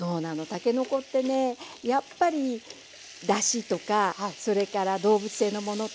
たけのこってねやっぱりだしとかそれから動物性のものとかうまみのものがね